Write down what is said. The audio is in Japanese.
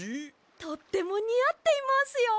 とってもにあっていますよ！